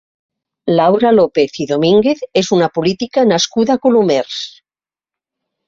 Laura López i Domínguez és una política nascuda a Colomers.